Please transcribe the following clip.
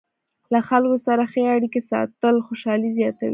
له خلکو سره ښې اړیکې ساتل خوشحالي زیاتوي.